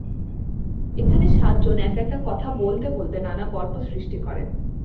এখানে সাতজন একা একা কথা বলতে বলতে নানা গল্প সৃষ্টি করে।